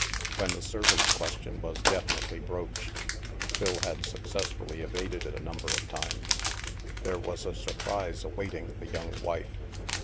When the servant question was definitely broached (Phil had successfully evaded it a number of times), there was a surprise awaiting the young wife.